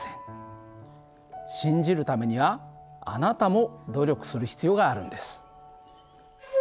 信じるためにはあなたも努力する必要があるんです。